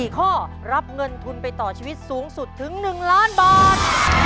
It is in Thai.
๔ข้อรับเงินทุนไปต่อชีวิตสูงสุดถึง๑ล้านบาท